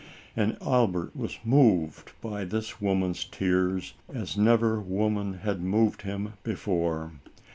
And Albert was moved by this woman's tears, as never woman had moved him before.